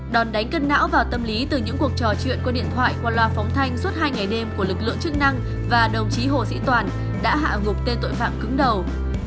đòn đánh cân não vào tâm lý từ những cuộc trò chuyện qua điện thoại qua loa phóng thanh suốt hai ngày đêm của lực lượng chức năng và đồng chí hồ sĩ toàn đã hạ gục tên tội phạm cứng đầu